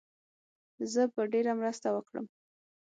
زه به ډېره مرسته وکړم.